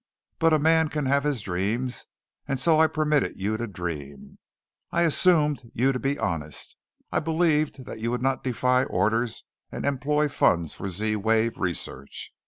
But a man can have his dreams, and so I permitted you to dream. I assumed you to be honest. I believed that you would not defy orders and employ funds for Z wave research.